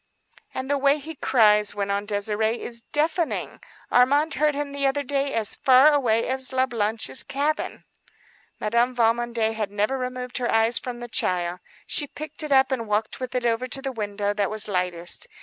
"And the way he cries," went on Désirée, "is deafening. Armand heard him the other day as far away as La Blanche's cabin." Madame Valmondé had never removed her eyes from the child. She lifted it and walked with it over to the window that was lightest.